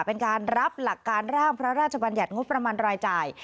เป็นการรับหลักการร่างพระราชบัญญัติงบประมาณรายจ่าย